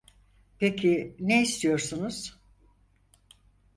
Peki ne istiyorsunuz?